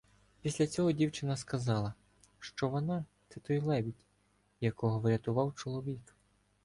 Після цього дівчина сказала, що вона – це той лебідь, якого врятував чоловік.